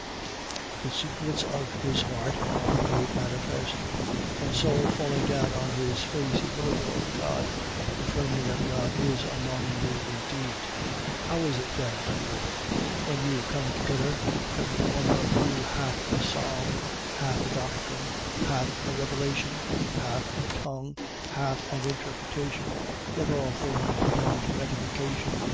14:25. The secrets of his heart are made manifest. And so, falling down on his face, he will adore God, affirming that God is among you indeed. 14:26. How is it then, brethren? When you come together, every one of you hath a psalm, hath a doctrine, hath a revelation, hath a tongue, hath an interpretation: let all things be done to edification. 14:27.